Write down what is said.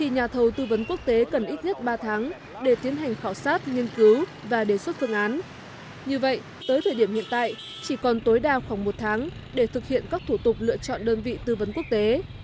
như vậy tới thời điểm hiện tại chỉ còn tối đa khoảng một tháng để thực hiện các thủ tục lựa chọn đơn vị tư vấn quốc tế